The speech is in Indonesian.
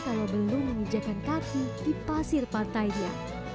kalau belum menginjakan kaki di pasir pantainya